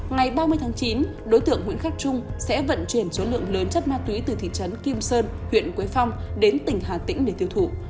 ngày ba mươi tháng chín đối tượng nguyễn khắc trung sẽ vận chuyển số lượng lớn chất ma túy từ thị trấn kim sơn huyện quế phong đến tỉnh hà tĩnh để tiêu thụ